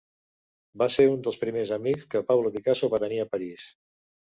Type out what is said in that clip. Va ser un dels primers amics que Pablo Picasso va tenir a París.